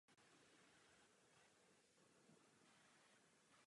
Není tu žádná.